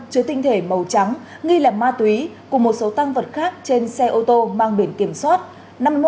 chứa tinh thể màu trắng nghi lẻ ma túy cùng một số tăng vật khác trên xe ô tô mang biển kiểm soát năm mươi một g bảy mươi năm nghìn bốn trăm một mươi sáu